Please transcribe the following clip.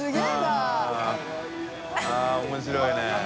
あぁ面白いね。）